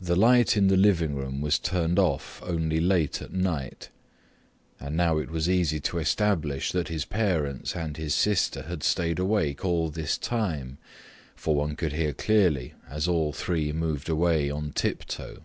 The light in the living room was turned off only late at night, and now it was easy to establish that his parents and his sister had stayed awake all this time, for one could hear clearly as all three moved away on tiptoe.